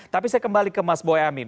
tapi saya kembali ke mas boyamin